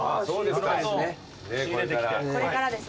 仕入れてきて。